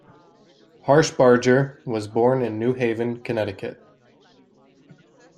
Harshbarger was born in New Haven, Connecticut.